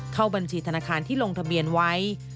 เข้าบัญชีธนาคารที่ลงทะเบียนไว้